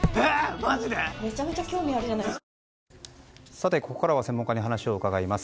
さて、ここからは専門家に話を聞きます。